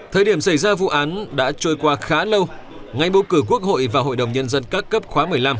trước lâu ngày bầu cử quốc hội và hội đồng nhân dân các cấp khóa một mươi năm